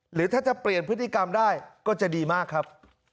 หรือถ้าจะเปลี่ยนพฤติกรรมได้ก็จะดีมากครับ